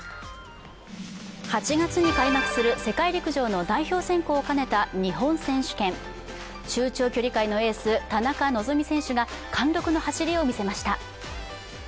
８月に開幕する世界陸上の代表選考を兼ねた日本選手権、中長距離界のエース・田中希実選手が貫禄の走りを見せました。